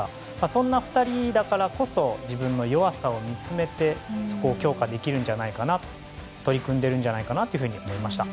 そんな２人だからこそ自分の弱さを見つめてそこを強化できるんじゃないかな取り組んでるんじゃないかなと思いました。